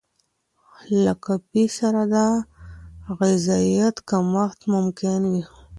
له کافي سره د غذایت کمښت ممکن وي.